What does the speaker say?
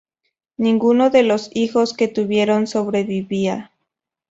Ninguno de los hijos que tuvieron sobrevivía.